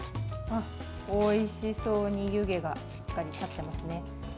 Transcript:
おいしそうに湯気がしっかり立ってますね。